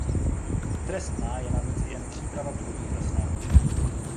Trestná je navíc i jen příprava tohoto trestného činu.